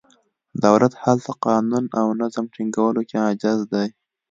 دولت هلته قانون او نظم ټینګولو کې عاجز دی.